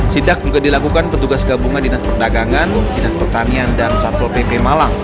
sidak juga dilakukan petugas gabungan dinas perdagangan dinas pertanian dan satpol pp malang